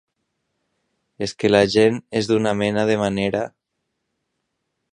És que la gent és d'una mena de manera...